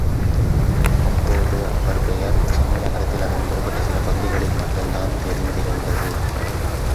அப்போது அவர் பெயர் சென்னை நகரத்தில் அதுவும் குறிப்பிட்ட சில பகுதிகளில் மட்டுந்தான் தெரிந்திருந்தது.